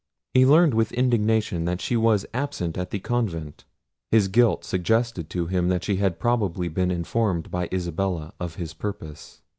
He learned with indignation that she was absent at the convent. His guilt suggested to him that she had probably been informed by Isabella of his purpose.